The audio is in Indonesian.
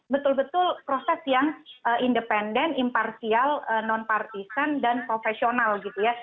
betul betul proses yang independen imparsial non partisan dan profesional gitu ya